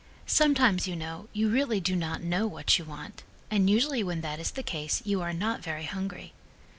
Sometimes, you know, you really do not know what you want, and usually when that is the case you are not very hungry.